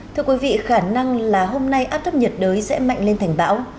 thưa quý vị khả năng là hôm nay áp thấp nhiệt đới sẽ mạnh lên thành bão